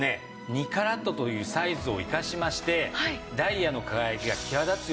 ２カラットというサイズを生かしましてダイヤの輝きが際立つようにですね